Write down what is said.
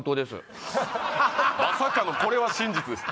まさかのこれは真実です